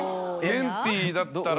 ケンティーだったら？